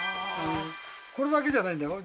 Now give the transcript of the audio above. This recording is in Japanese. これだけじゃないんだよ